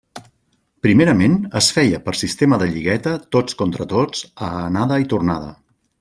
Primerament es feia per sistema de lligueta tots contra tots a anada i tornada.